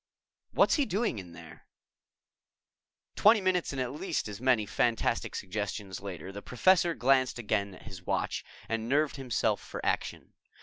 "What's he doing in there?" Twenty minutes and at least as many fantastic suggestions later, the Professor glanced again at his watch and nerved himself for action.